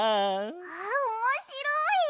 わあおもしろい！